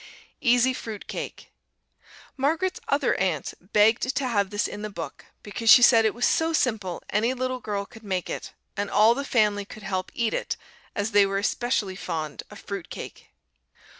Easy Fruit cake Margaret's Other Aunt begged to have this in the book, because she said it was so simple any little girl could make it, and all the family could help eat it, as they were especially fond of fruit cake.